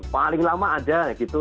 paling lama ada gitu